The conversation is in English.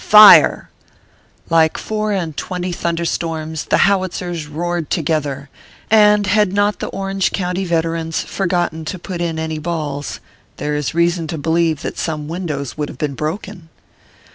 Fire !" Like four and twenty thunder storms the howitzers roared together, and had not the Orange County vet erans forgotten to put in any balls, there is reason to believe that some windows would have been broken.